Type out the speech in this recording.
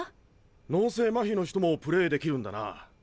脳性マヒの人もプレーできるんだな。